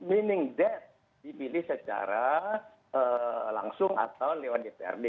meaning dead dipilih secara langsung atau lewat dprd